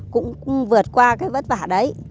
cũng vượt qua cái vất vả đấy